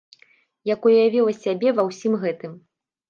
Як уявіла сябе ва ўсім гэтым!